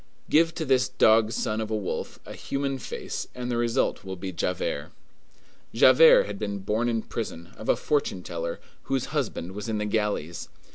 Give to this dog son of a wolf a human face, and the result will be Javert. Javert had been born in prison, of a fortune teller, whose husband was in the galleys.